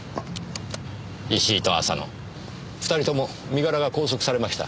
石井と浅野２人とも身柄が拘束されました。